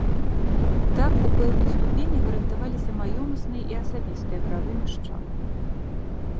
Так, у пэўнай ступені гарантаваліся маёмасныя і асабістыя правы мяшчан.